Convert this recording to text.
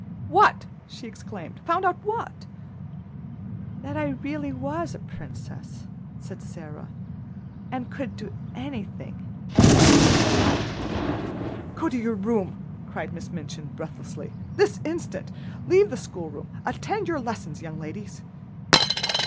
"What!" she exclaimed, "found out what?" "That I really was a princess," said Sara, "and could do anything anything I liked." "Go to your room," cried Miss Minchin breathlessly, "this instant. Leave the school room. Attend to your lessons, young ladies."